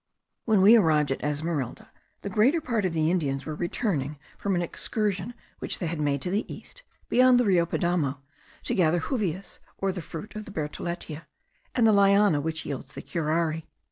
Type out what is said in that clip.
When we arrived at Esmeralda, the greater part of the Indians were returning from an excursion which they had made to the east, beyond the Rio Padamo, to gather juvias, or the fruit of the bertholletia, and the liana which yields the curare.